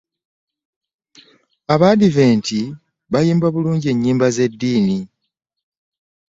Abadiventi bayimba bbulunji ennyimba z'eddiini .